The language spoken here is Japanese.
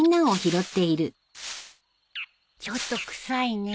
ちょっと臭いね。